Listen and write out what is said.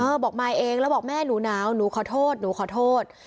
บอกมาเองแล้วบอกแม่หนูหนาวหนูขอโทษหนูขอโทษ